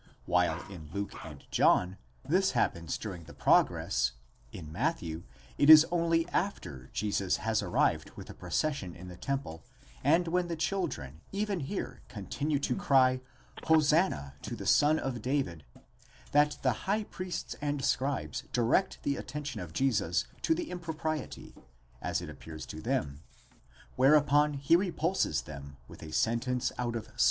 While in Luke and John this happens during the progress, in Matthew it is only after Jesus has arrived with the procession in the temple, and when the children, even here, continue to cry, Hosanna to the Son of David, that the high priests and scribes direct the attention of Jesus to the impropriety, as it appears to them, whereupon he repulses them with a sentence out of Ps.